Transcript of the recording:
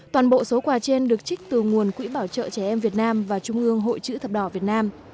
toàn bộ số quà trên được trích từ nguồn quỹ bảo trợ trẻ em việt nam và trung ương hội chữ thập đỏ việt nam